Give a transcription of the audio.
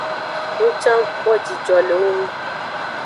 Ng can ng kpo jijo le ewo ngu.